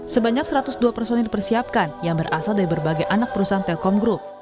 sebanyak satu ratus dua personil dipersiapkan yang berasal dari berbagai anak perusahaan telkom group